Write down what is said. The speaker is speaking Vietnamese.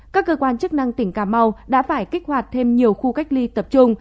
các cơ quan chức năng tỉnh cà mau đã phải kích hoạt thêm nhiều khu cách ly tập trung